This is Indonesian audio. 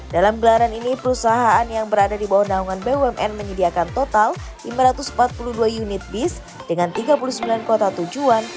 dalam gelaran ini perusahaan yang berada di bawah naungan bumn menyediakan total lima ratus empat puluh dua unit bis dengan tiga puluh sembilan kota tujuan